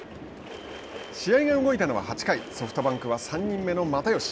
試合が動いたのは８回ソフトバンクは３人目の又吉。